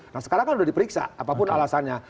nah sekarang kan sudah diperiksa apapun alasannya